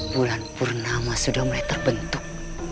bulan purnama sudah mulai terbentuk